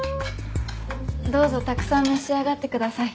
どうぞたくさん召し上がってください。